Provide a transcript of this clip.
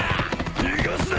逃がすな！